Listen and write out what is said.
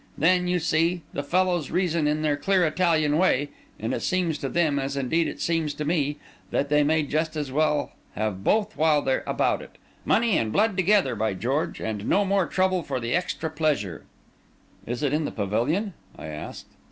Then, you see, the fellows reason in their clear Italian way; and it seems to them, as indeed it seems to me, that they may just as well have both while they're about it—money and blood together, by George, and no more trouble for the extra pleasure." "Is it in the pavilion?" I asked.